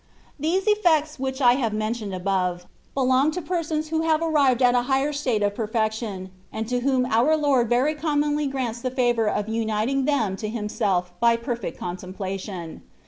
Ihese effects which I have mentioned above, belcmg to persons who have arrived at a higher fitate of perfection, and to whom our Lord very commonly grants the favour of uinting them to Himself by perfect contemplation.